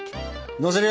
のせるよ！